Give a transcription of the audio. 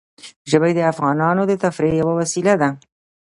ژبې د افغانانو د تفریح یوه وسیله ده.